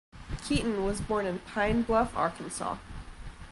Keaton was born in Pine Bluff, Arkansas.